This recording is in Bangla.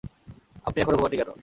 আপনি এখানো ঘুমাননি কেন?